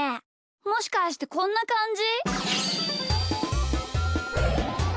もしかしてこんなかんじ？